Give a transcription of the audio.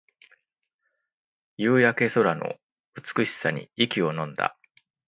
夕焼け空の美しさに息をのんだ